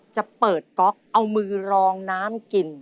จะเปิดก๊อกเอามือรองน้ำกิน